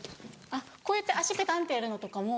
こうやって足ペタンってやるのとかも。